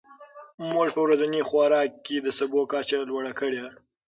موږ په ورځني خوراک کې د سبو کچه لوړه کړې.